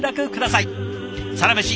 「サラメシ」